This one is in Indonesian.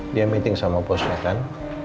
dia meeting sama bosnya kan